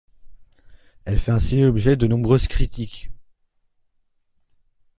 Elle fait ainsi l'objet de nombreuses critiques.